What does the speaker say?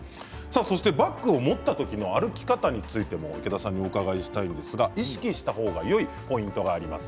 そしてバッグを持った時の歩き方についても池田さんにお伺いしたいんですが意識した方がよいポイントがあります。